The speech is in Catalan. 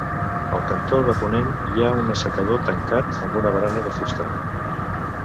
Al cantó de ponent hi ha un assecador tancat amb una barana de fusta.